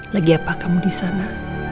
lagi apa kamu di sana